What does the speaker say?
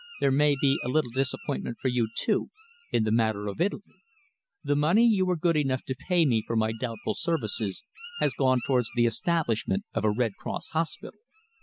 There may be a little disappointment for you, too, in the matter of Italy. The money you were good enough to pay me for my doubtful services, has gone towards the establishment of a Red Cross hospital.